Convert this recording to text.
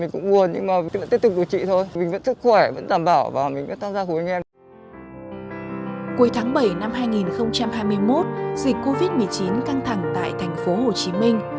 cuối tháng bảy năm hai nghìn hai mươi một dịch covid một mươi chín căng thẳng tại thành phố hồ chí minh